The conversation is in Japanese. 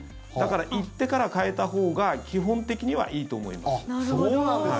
だから、行ってから替えたほうが基本的にはいいと思います。